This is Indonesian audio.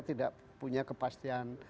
tidak punya kepastian